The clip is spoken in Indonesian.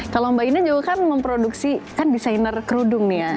kalau mbak ida juga kan memproduksi kan desainer kerudung nih ya